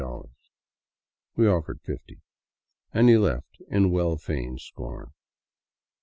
We offered fifty, and he left in well feigned scorn.